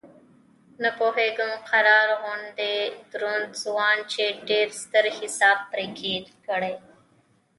نه پوهېږم قرار غوندې دروند ځوان چې ډېر ستر حساب پرې کړی.